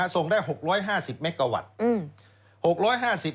ส่งได้๖๕๐เมกาวัตต์